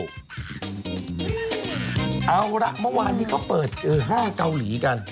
เอาละเมื่อวานนี้เขาเปิด๕เกาหลีกัน